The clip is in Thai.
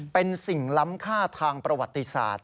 เป็นสิ่งล้ำค่าทางประวัติศาสตร์